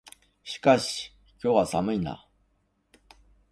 しかし、今日は寒いな。